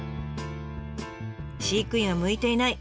飼育員は向いていない。